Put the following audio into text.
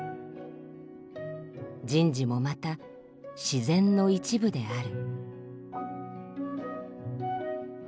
人事もまた自然の一部である」。